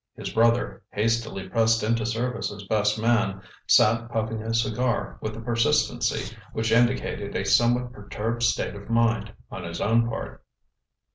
His brother, hastily pressed into service as best man, sat puffing at a cigar with a persistency which indicated a somewhat perturbed state of mind on his own part.